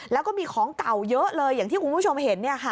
แล้วก็มีของเก่าเยอะเลยอย่างที่คุณผู้ชมเห็น